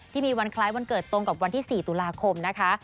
ที่มีวันคล้ายวันเกิดตรงกับวันที่๔ตุลาคมนะคะ